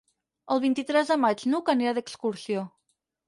El vint-i-tres de maig n'Hug anirà d'excursió.